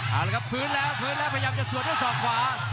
เอาละครับพื้นแล้วพื้นแล้วพยายามจะสวนด้วยศอกขวา